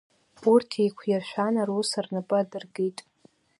Урҭ еиқәиршәан, рус рнапы адыркит.